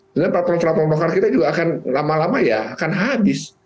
dan platform platform lokal kita juga akan lama lama ya akan habis